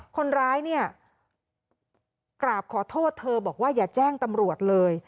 คนร้ายเนี่ยกราบขอโทษเธอบอกว่าอย่าแจ้งตำรวจเลย